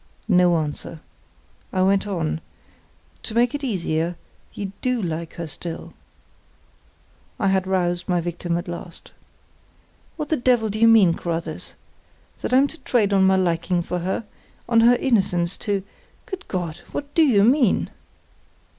No answer. I went on: "To make it easier, you do like her still." I had roused my victim at last. "What the devil do you mean, Carruthers? That I'm to trade on my liking for her—on her innocence, to—good God! what do you mean?"